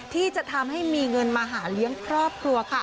ที่จะทำให้มีเงินมาหาเลี้ยงครอบครัวค่ะ